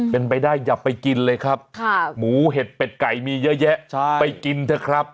เป็นไปได้อย่าไปกินเลยครับหมูเห็ดเป็ดไก่มีเยอะแยะไปกินเถอะครับ